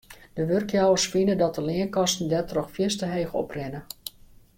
De wurkjouwers fine dat de leankosten dêrtroch fierstente heech oprinne.